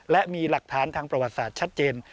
และมีหลักฐานทางประวัติศาสตร์ชัดเจน